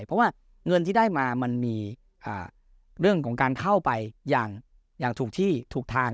เพราะว่าเงินที่ได้มามันมีเรื่องของการเข้าไปอย่างถูกที่ถูกทาง